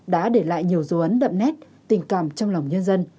đã để lại nhiều dấu ấn đậm nét tình cảm trong lòng nhân dân